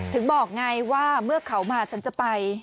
ถึงบอกไงว่าเมื่อเขามาฉันจะไป